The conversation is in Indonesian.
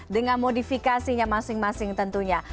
dengan modifikasinya masing masing tentunya